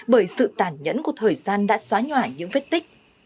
bởi sự tàn nhẫn của thời gian đã xóa nhỏ những vết tích